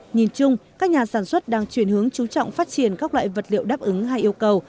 nhìn chung các nhà sản xuất đang truyền hướng trú trọng phát triển các loại vật liệu đáp ứng hay yêu cầu